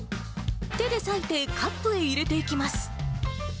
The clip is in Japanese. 手で裂いてカップへ入れていきます。